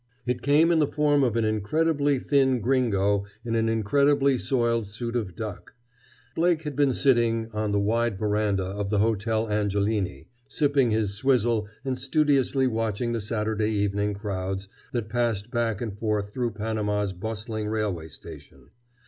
It came in the form of an incredibly thin gringo in an incredibly soiled suit of duck. Blake had been sitting on the wide veranda of the Hotel Angelini, sipping his "swizzle" and studiously watching the Saturday evening crowds that passed back and forth through Panama's bustling railway station.